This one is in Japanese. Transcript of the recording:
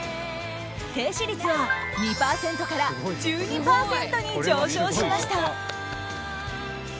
停止率は２％から１２％に上昇しました。